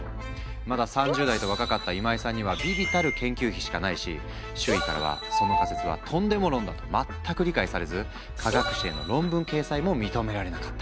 まだ３０代と若かった今井さんには微々たる研究費しかないし周囲からはその仮説はトンデモ論だと全く理解されず科学誌への論文掲載も認められなかった。